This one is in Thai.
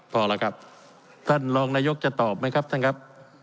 พอแล้วครับท่านรองนายกจะตอบไหมครับท่านครับ